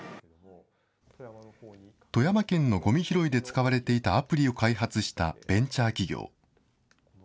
富山県のごみ拾いで使われていたアプリを開発したベンチャー企業。